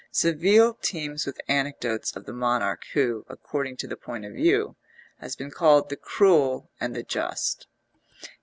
Seville teems with anecdotes of the monarch who, according to the point of view, has been called the Cruel and the Just.